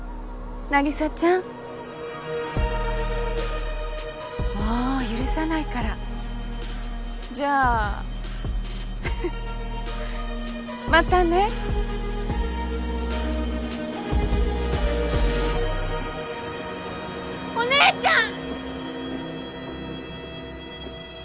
凪沙ちゃん。もう許さないから。じゃあフフッまたねお姉ちゃん！